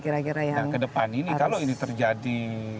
kira kira yang harus nah ke depan ini kalau ini terjadi